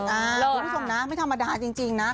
คุณผู้ชมนะไม่ธรรมดาจริงนะ